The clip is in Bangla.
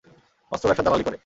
অস্ত্র ব্যবসার দালালী করে।